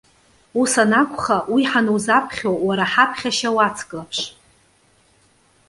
Ус анакәха, уи ҳанузаԥхьо, уара ҳаԥхьашьа уацклаԥш.